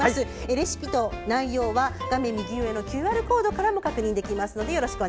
レシピと内容は画面右上のＱＲコードからも確認できます。